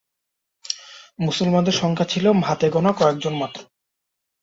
মুসলমানদের সংখ্যা ছিল হাতে গোনা কয়েকজন মাত্র।